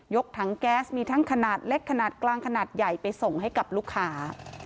กถังแก๊สมีทั้งขนาดเล็กขนาดกลางขนาดใหญ่ไปส่งให้กับลูกค้า